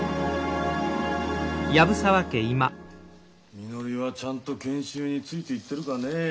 ・みのりはちゃんと研修についていってるかねえ。